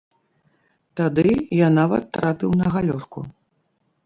Тады я нават трапіў на галёрку.